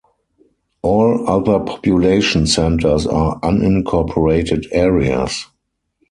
All other population centers are unincorporated areas.